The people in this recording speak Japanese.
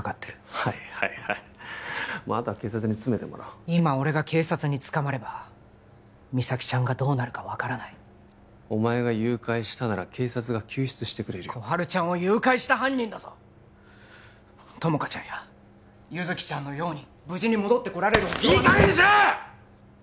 はいはいはいまああとは警察に詰めてもらおう今俺が警察に捕まれば実咲ちゃんがどうなるか分からないお前が誘拐したなら警察が救出してくれるよ心春ちゃんを誘拐した犯人だぞ友果ちゃんや優月ちゃんのように無事に戻ってこられる保証はいい加減にしろっ！